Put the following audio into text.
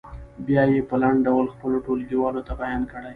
بیا یې په لنډ ډول خپلو ټولګیوالو ته بیان کړئ.